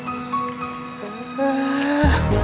nggak percaya mau mengarahin